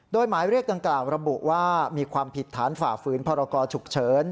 โดยหมายเรียกดังกล่าวระบุว่ามีความผิดฐานฝ่าฝืนพรกรฉุกเฉิน